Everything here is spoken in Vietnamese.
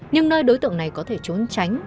nhưng nơi đối tượng này có thể trốn tránh